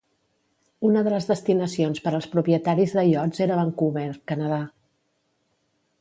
Una de les destinacions per als propietaris de iots era Vancouver (Canadà).